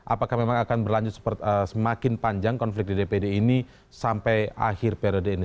apakah memang akan berlanjut semakin panjang konflik di dpd ini sampai akhir periode ini